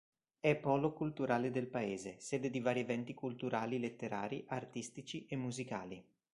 È polo culturale del paese, sede di vari eventi culturali letterari, artistici e musicali.